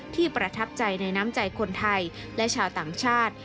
ประทับใจในน้ำใจคนไทยและชาวต่างชาติ